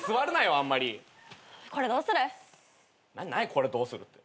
これどうする？って。